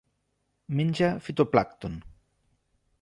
Menja fitoplàncton.